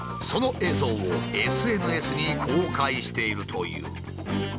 その映像をＳＮＳに公開しているという。